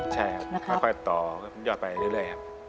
ใช่ครับค่อยต่อยอดไปเรื่อยครับ